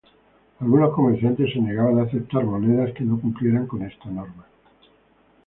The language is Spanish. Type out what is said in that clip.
Algunos comerciantes se negaban a aceptar monedas que no cumplieron con esta norma.